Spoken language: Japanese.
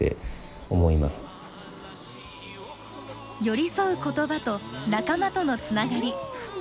寄り添う言葉と仲間とのつながり。